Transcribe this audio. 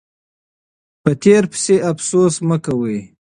په تیر پسې افسوس مه کوئ.